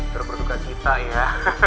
terperdukan cerita ya